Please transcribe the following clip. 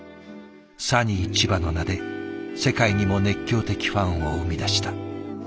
サニー千葉の名で世界にも熱狂的ファンを生み出した。